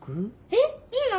えっいいの？